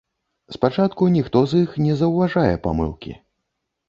Спачатку ніхто з іх не заўважае памылкі.